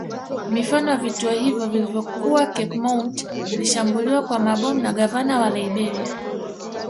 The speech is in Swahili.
Mifano ya vituo hivyo vilivyokuwa Cape Mount vilishambuliwa kwa mabomu na gavana wa Liberia